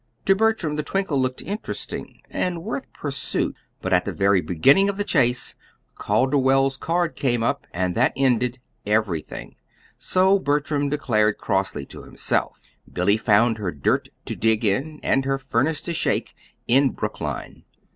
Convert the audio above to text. To Bertram the twinkle looked interesting, and worth pursuit; but at the very beginning of the chase Calderwell's card came up, and that ended everything, so Bertram declared crossly to himself. Billy found her dirt to dig in, and her furnace to shake, in Brookline.